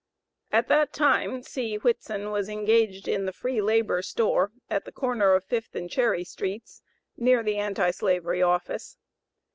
At that time, C. Whitson was engaged in the Free Labor store, at the corner of Fifth and Cherry streets, near the Anti Slavery office.